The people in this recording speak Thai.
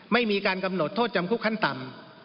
ไม่มีการกำหนดโทษจำคุกขั้นต่ำ